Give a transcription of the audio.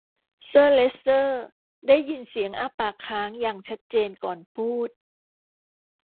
เซอร์เลสเตอร์ได้ยินเสียงอ้าปากค้างอย่างชัดเจนก่อนพูด